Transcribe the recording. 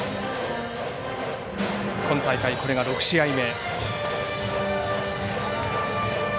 今大会これが６試合目。